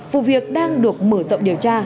vụ việc đang được mở rộng điều tra